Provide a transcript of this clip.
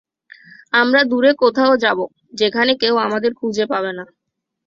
আমরা দূরে কোথাও যাবো যেখানে কেউ আমাদের খুজে পাবে না।